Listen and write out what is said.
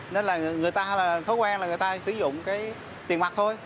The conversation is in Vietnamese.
nên là người ta là thói quen là người ta sử dụng cái tiền mặt thôi